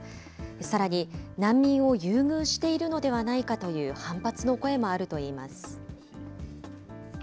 さらに難民を優遇しているのではないかという反発の声もあるといいます。